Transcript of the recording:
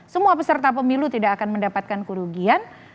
semua peserta pemilu tidak akan mendapatkan kerugian